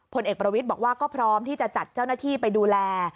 ผลเอกประวิทย์บอกว่าก็พร้อมที่จะจัดเจ้าหน้าที่ไปดูแล